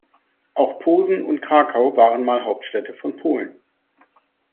Auch Posen und Krakau waren mal Hauptstädte von Polen.